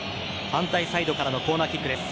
反対サイドからのコーナーキックです。